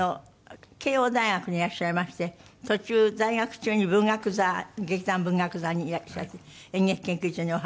慶應大学にいらっしゃいまして途中在学中に文学座劇団文学座にいらっしゃって演劇研究所にお入りになりまして。